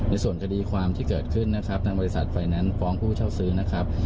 ส่วนคดีความที่เกิดขึ้นนะครับทางบริษัทไฟแนนซ์ฟ้องผู้เช่าซื้อนะครับ